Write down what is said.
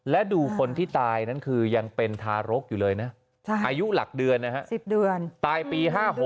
และดูคนที่ตายนั้นคือยังเป็นทารกอยู่เลยนะอายุหลักเดือนนะฮะ๑๐เดือนตายปี๕๖